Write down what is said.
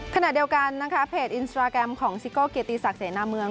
ขณะเดียวกันนะคะเพจอินสตราแกรมของซิโก้เกียรติศักดิเสนาเมือง